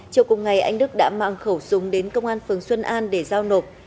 chiều cùng ngày anh đức đã mang khẩu súng đến công an phường xuân an để giao nộp